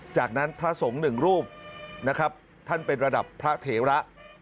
จากนั้นพระสงฆ์หนึ่งรูปนะครับท่านเป็นระดับพระเถระ